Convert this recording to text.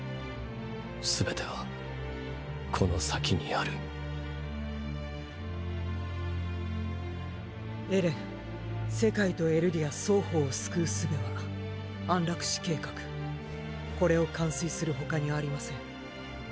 すべてはこの先にあるエレン世界とエルディア双方を救う術は「安楽死計画」これを完遂するほかにありません。